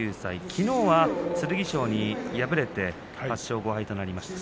きのうは剣翔に敗れて８勝５敗となりました。